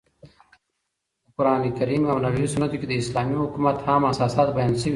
په قرانکریم او نبوي سنتو کښي د اسلامي حکومت عام اساسات بیان سوي دي.